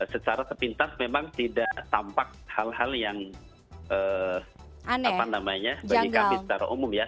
secara sepintas memang tidak tampak hal hal yang aneh janggal